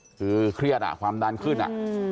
คือเครียดอ่ะความดันขึ้นอ่ะ